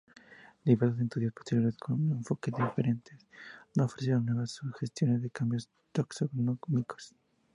Diversos estudios posteriores con enfoques diferentes no ofrecieron nuevas sugestiones de cambios taxonómicos.